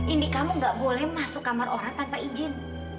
indi kamu gak boleh masuk kamar orang tanpa izin